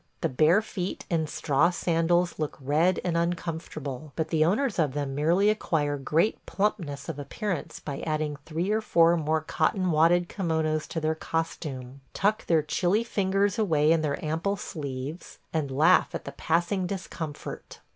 The bare feet in straw sandals look red and uncomfortable, but the owners of them merely acquire great plumpness of appearance by adding three or four more cotton wadded kimonos to their costume, tuck their chilly fingers away in their ample sleeves, and laugh at the passing discomfort.